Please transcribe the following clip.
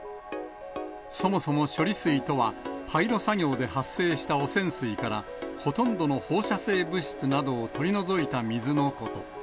そもそも処理水とは、廃炉作業で発生した汚染水から、ほとんどの放射性物質などを取り除いた水のこと。